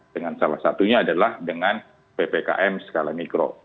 dengan salah satunya adalah dengan ppkm skala mikro